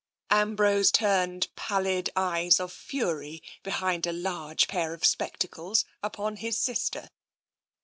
Ambrose turned pallid eyes of fury behind a large pair of spectacles upon his sister.